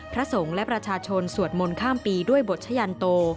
พระสงฆ์และประชาชนสวดมนต์ข้ามปีด้วยบทชะยันโต